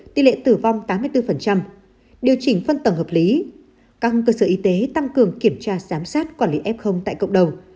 tỷ lệ tử vong tám mươi bốn điều chỉnh phân tầng hợp lý các cơ sở y tế tăng cường kiểm tra giám sát quản lý f tại cộng đồng